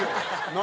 何？